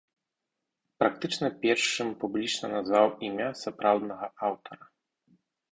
Практычна першым публічна назваў імя сапраўднага аўтара.